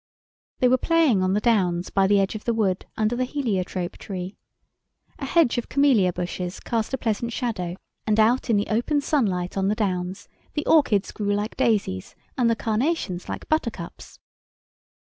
They were playing on the downs by the edge of the wood under the heliotrope tree. A hedge of camellia bushes cast a pleasant shadow, and out in the open sunlight on the downs the orchids grew like daisies, and the carnations like buttercups.